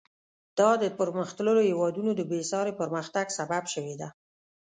دا د پرمختللو هېوادونو د بېساري پرمختګ سبب شوې ده.